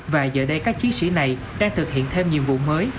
và giờ đây các chiến sĩ này đang thực hiện thêm nhiệm vụ mới